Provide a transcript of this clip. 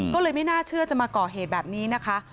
ก็เลยไม่น่าเชื่อจะมาก่อเหตุแบบนี้นะคะ